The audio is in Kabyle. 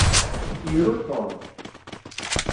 Iru Tom.